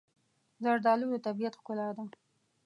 زردالو د طبیعت ښکلا ده.